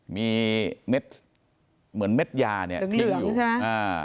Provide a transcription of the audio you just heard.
มีเหมือนเม็ดยาทิ้งอยู่เหลืองใช่มั้ย